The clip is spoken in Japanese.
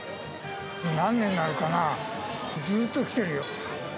何年になるかな、ずっと来てるよ。